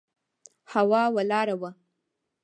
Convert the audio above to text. هوا ولاړه وه.